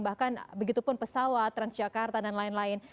bahkan begitu pun pesawat transjakarta dan lain lain